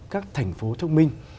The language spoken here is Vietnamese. các thành phố thông minh